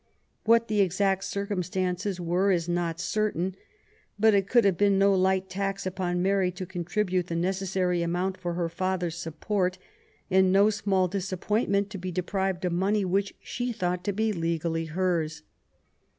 What the exact circumstances were is not certain; but it could have been no light tax upon Mary to contribute the necessary amount for her father's support, and no small disappointment to be deprived of money which she thought to be legally hers.